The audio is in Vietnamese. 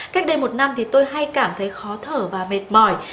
cách đây một năm thì tôi hay cảm thấy khó thở và mệt mỏi